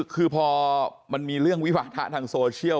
คือพอมันมีเรื่องวิวาทะทางโซเชียล